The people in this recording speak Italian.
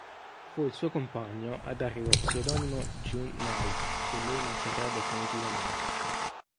Fu il suo compagno a darle lo pseudonimo “June Knight” che lei manterrà definitivamente.